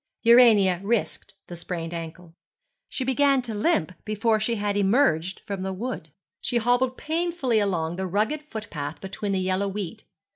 Urania risked the sprained ankle. She began to limp before she had emerged from the wood. She hobbled painfully along the rugged footpath between the yellow wheat.